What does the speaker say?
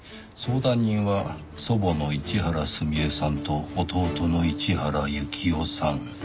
相談人は祖母の市原澄江さんと弟の市原幸雄さん。